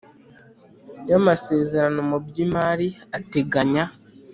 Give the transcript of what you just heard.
Y amasezerano mu by imari ateganya